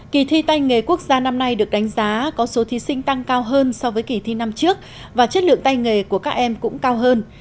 kỳ thi tay nghề quốc gia năm nay được đánh giá có số thí sinh tăng cao hơn so với kỳ thi năm trước và chất lượng tay nghề của các em cũng cao hơn